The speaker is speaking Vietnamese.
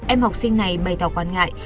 em học sinh này bày tỏ quan ngại